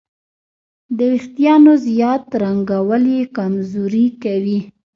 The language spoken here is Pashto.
د وېښتیانو زیات رنګول یې کمزوري کوي.